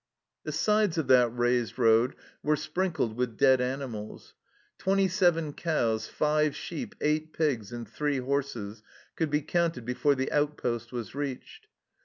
The sides of that raised road were sprinkled with dead animals. Twenty seven cows, five sheep, eight pigs, and three horses could be counted before the outpost was reached.